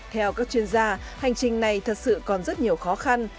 theo các chuyên gia hành trình này thật sự còn rất nhiều khó khăn